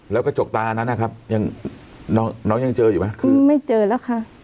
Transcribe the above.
แล้วกระจกตานั้นนะครับยังน้องน้องยังเจออยู่ไหมคือไม่เจอแล้วค่ะ